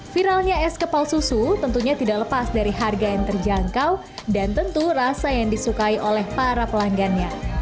viralnya es kepal susu tentunya tidak lepas dari harga yang terjangkau dan tentu rasa yang disukai oleh para pelanggannya